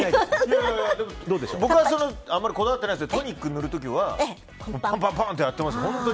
僕は、あんまりこだわってないですけどトニック塗る時はパンパンとやってますよ。